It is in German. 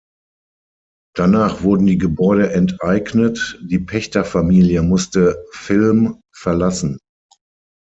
Danach wurden die Gebäude enteignet, die Pächterfamilie musste Vilm verlassen.